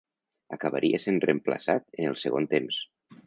Acabaria sent reemplaçat en el segon temps.